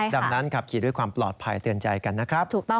ดังนั้นขับขี่ด้วยความปลอดภัยเตือนใจกันนะครับ